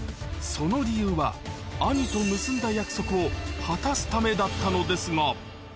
その理由は、兄と結んだ約束を果たすためだったのですが。